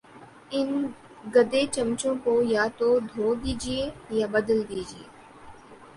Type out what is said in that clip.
ان گدے چمچوں کو یا تو دھو دیجئے یا بدل دیجئے